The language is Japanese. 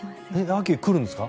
秋、来るんですか